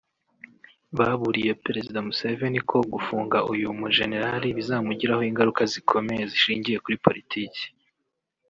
baburiye Perezida Museveni ko gufunga uyu mujenerali bizamugiraho ingaruka zikomeye zishingiye kuri politiki